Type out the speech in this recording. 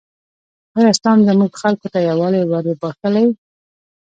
ایا اسلام زموږ خلکو ته یووالی وروباخښلی؟